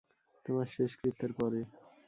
তোমার শেষকৃত্যের পরে।